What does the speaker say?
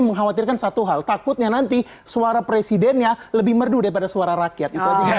mengkhawatirkan satu hal takutnya nanti suara presidennya lebih merdu daripada suara rakyat itu aja